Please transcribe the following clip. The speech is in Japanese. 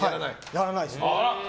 やらないですね。